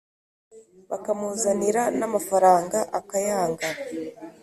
Bakamuzanira n’ amafaranga akayanga